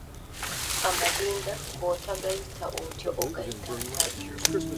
Amadinda bw'otagayita otyo ogayita Ntaala.